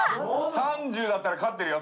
３０だったら勝ってるよ！